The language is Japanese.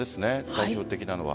代表的なのは。